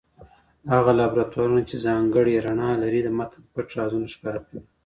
هغه لابراتوارونه چي ځانګړی رڼا لري د متن پټ رازونه ښکاره کوي.